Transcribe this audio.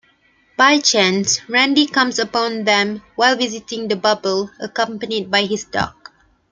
By chance, Randi comes upon them while visiting the bubble, accompanied by his dog.